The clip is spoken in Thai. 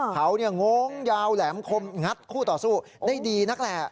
เขางงยาวแหลมคมงัดคู่ต่อสู้ได้ดีนักแหละ